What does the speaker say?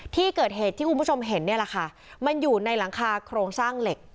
ที่เกิดเหตุที่คุณผู้ชมเห็นเนี่ยแหละค่ะมันอยู่ในหลังคาโครงสร้างเหล็ก